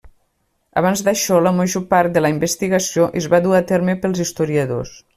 Abans d'això la major part de la investigació es va dur a terme pels historiadors.